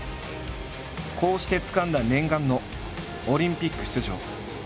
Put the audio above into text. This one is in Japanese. こうしてつかんだ念願のオリンピック出場。